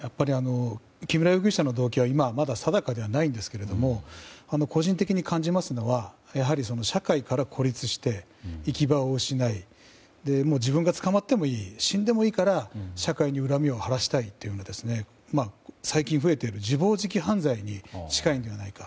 木村容疑者の動機は今まだ定かではないんですが個人的に感じますのは社会から孤立して行き場を失いもう自分が捕まってもいい死んでもいいから社会に恨みを晴らしたいというのが最近増えている自暴自棄犯罪に近いのではないか。